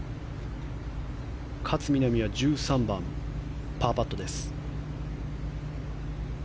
勝みなみは１３番、パーパット。